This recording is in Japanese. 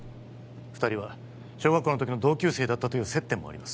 二人は小学校の時の同級生だったという接点もあります